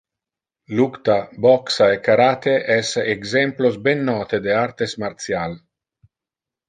Lucta, boxa e karate es exemplos ben note de artes martial.